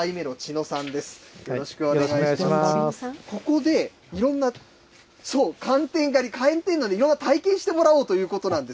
ここでいろんな寒天狩り、寒天のを体験してもらおうということなんです。